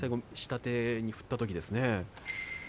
下手に振ったときですね。